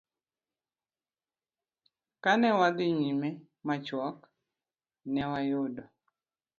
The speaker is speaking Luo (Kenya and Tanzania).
Ka ne wadhi nyime machuok, ne wayudo